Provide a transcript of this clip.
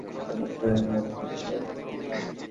এখন তোর এই নাটক বন্ধ করে দে, শোভা।